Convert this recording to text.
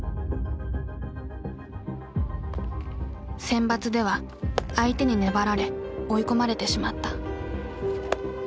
選抜では相手に粘られ追い込まれてしまった。